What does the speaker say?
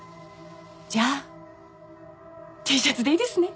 じゃあＴシャツでいいですね。